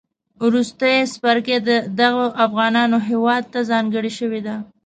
وروستی څپرکی د دغو افغانانو هیواد تهځانګړی شوی دی